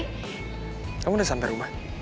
kamu udah sampai rumah